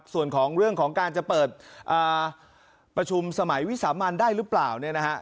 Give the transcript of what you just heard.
ส่วนของเรื่องของการจะเปิดประชุมสมัยวิสามันได้หรือเปล่าเนี่ยนะฮะ